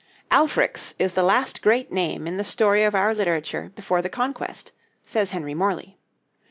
"Alfric's is the last great name in the story of our literature before the Conquest," says Henry Morley.